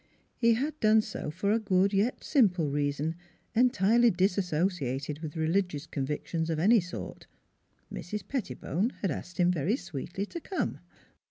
He had done so for a good yet simple reason entirely disassociated with religious convictions of any sort: Mrs. Pettibone had asked him very sweetly to come.